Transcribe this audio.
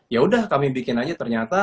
yaudah kami bikin aja ternyata